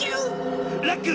ラック！